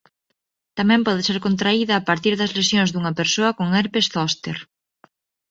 Tamén pode ser contraída a partir das lesións dunha persoa con herpes zóster.